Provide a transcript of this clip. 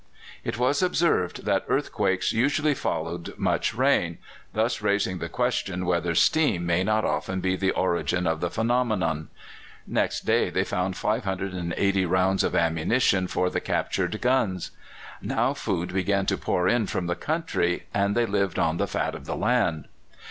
It was observed that earthquakes usually followed much rain, thus raising the question whether steam may not often be the origin of the phenomenon. Next day they found 580 rounds of ammunition for the captured guns. Now food began to pour in from the country, and they lived on the fat of the land.